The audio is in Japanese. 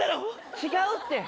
違うって。